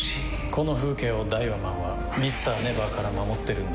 この風景をダイワマンはＭｒ．ＮＥＶＥＲから守ってるんだ。